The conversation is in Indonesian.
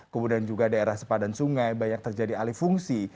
kemudian juga daerah sepadan sungai banyak terjadi alifungsi